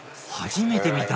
初めて見た！